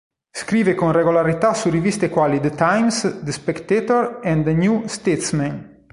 Scrive con regolarità su riviste quali "The Times", "The Spectator", e "The New Statesman".